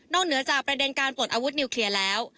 เหนือจากประเด็นการปลดอาวุธนิวเคลียร์แล้ว